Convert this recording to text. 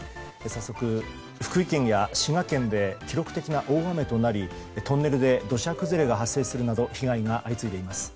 早速、福井県や滋賀県で記録的な大雨となりトンネルで土砂崩れが発生するなど被害が相次いでいます。